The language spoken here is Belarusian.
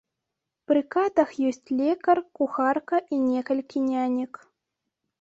Пры катах ёсць лекар, кухарка і некалькі нянек.